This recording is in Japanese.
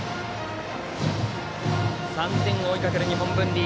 ３点を追いかける日本文理。